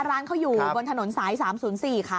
ร้านเขาอยู่บนถนนสาย๓๐๔ค่ะ